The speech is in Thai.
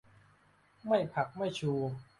ไม่ผัก ไม่ชู